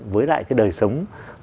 với lại cái đời sống